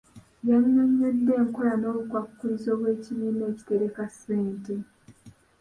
Yannyonnyodde enkola n'obukwakkulizo bw'ekibiina ekitereka ssente.